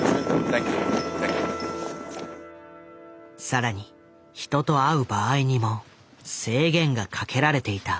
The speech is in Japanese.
更に人と会う場合にも制限がかけられていた。